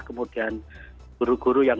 kemudian guru guru yang